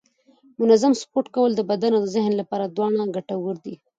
منظم سپورت کول د بدن او ذهن لپاره دواړه ګټور دي